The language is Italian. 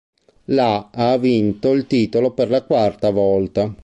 La ha vinto il titolo per la quarta volta.